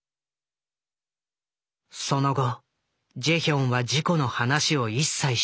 その後ジェヒョンは事故の話を一切しなくなる。